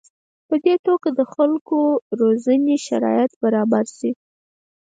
په دې توګه د خلکو روزنې شرایط برابر شي.